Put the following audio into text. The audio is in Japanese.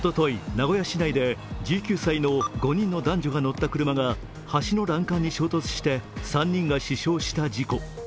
名古屋市内で１９歳の５人の男女が乗った車が橋の欄干に衝突して３人が死傷した事故。